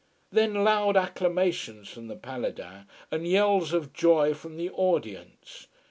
Then loud acclamations from the Paladins, and yells of joy from the audience.